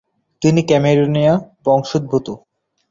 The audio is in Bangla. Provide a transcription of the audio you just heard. তিনি ক্যামেরুনীয় বংশোদ্ভূত।